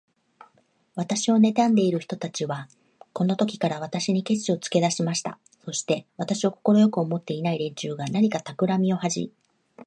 私をねたんでいる人たちは、このときから、私にケチをつけだしました。そして、私を快く思っていない連中が、何かたくらみをはじめたようです。